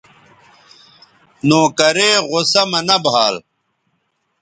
نوکرے غصہ مہ نہ بھال